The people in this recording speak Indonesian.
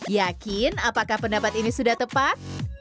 yakin apakah pendapat ini sudah tepat